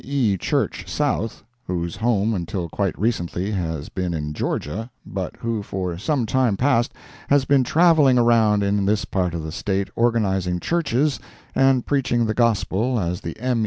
E. Church South, whose home until quite recently has been in Georgia, but who for some time past has been travelling around in this part of the State organizing Churches and preaching the Gospel as the M.